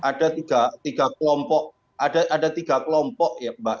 ada tiga kelompok ada tiga kelompok ya mbak